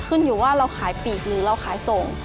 ขึ้นอยู่ว่าเราขายปีกหรือเราขายส่ง